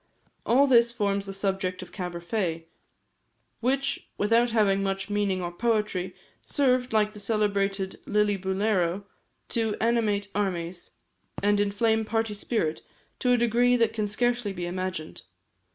All this forms the subject of "Caberfae," which, without having much meaning or poetry, served, like the celebrated "Lillibulero," to animate armies, and inflame party spirit to a degree that can scarcely be imagined.